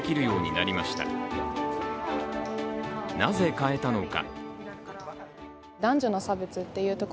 なぜ変えたのか。